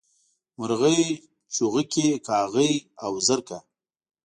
مرغۍ، چوغکي کاغۍ او زرکه